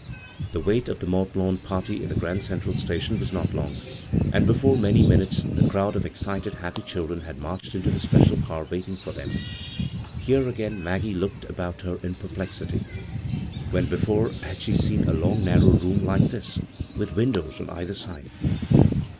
The wait of the Mont Lawn party in the Grand Central Station was not Jong, and be fore many minutes the crowd of excited, happy children had marched into the special car waiting for them. Here again Maggie looked about her in perplexity. When be fore had she seen a long narrow room like this with windows on either side